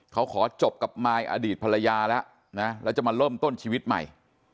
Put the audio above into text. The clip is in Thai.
เขาขอจบกับมายอดีตภรรยาแล้วนะแล้วจะมาเริ่มต้นชีวิตใหม่